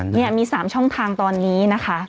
นี่มี๓ช่องทางตอนนี้นะคะ